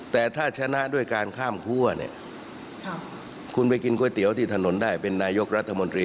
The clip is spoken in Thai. แต่ถ้าชนะด้วยการข้ามคั่วเนี่ยคุณไปกินก๋วยเตี๋ยวที่ถนนได้เป็นนายกรัฐมนตรี